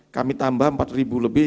kami tambah empat lebih